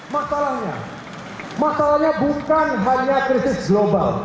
masalahnya masalahnya bukan hanya krisis global